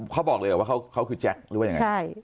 เขาบอกเลยเหรอว่าเขาคือแจ็คหรือว่ายังไง